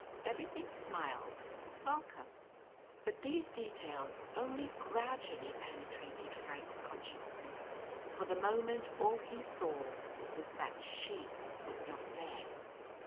Everything smiled "welcome." But these details only gradually penetrated Frank's consciousness for the moment all he saw was that She was not there.